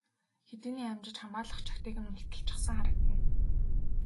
Хэдийнээ амжиж хамгаалах чагтыг нь мулталчихсан харагдана.